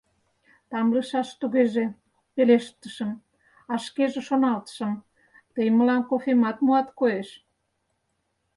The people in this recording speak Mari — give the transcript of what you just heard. — Тамлышаш тугеже, — пелештышым, а шкеже шоналтышым: «Тый мылам кофемат муат, коеш.